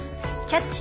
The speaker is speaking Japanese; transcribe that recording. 「キャッチ！